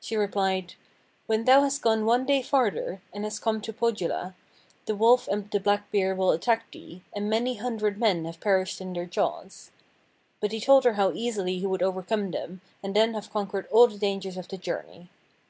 She replied: 'When thou hast gone one day farther, and hast come to Pohjola, the wolf and the black bear will attack thee, and many hundred men have perished in their jaws.' But he told her how easily he would overcome them and then have conquered all the dangers of the journey.